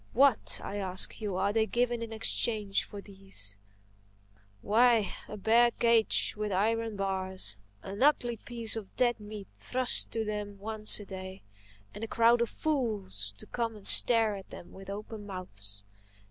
What, I ask you, are they given in exchange for these? Why, a bare cage with iron bars; an ugly piece of dead meat thrust in to them once a day; and a crowd of fools to come and stare at them with open mouths!